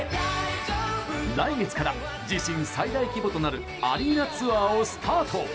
来月から自身最大規模となるアリーナツアーをスタート。